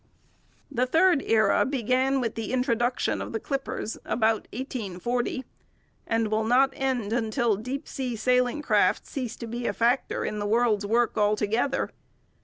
The third era began with the introduction of the clippers about 1840, and will not end till deep sea sailing craft cease to be a factor in the world's work altogether.